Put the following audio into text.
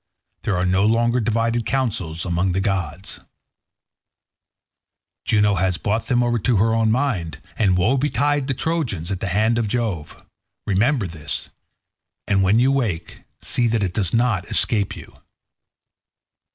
There are no longer divided counsels among the gods; Juno has brought them over to her own mind, and woe betides the Trojans at the hands of Jove. Remember this, and when you wake see that it does not escape you."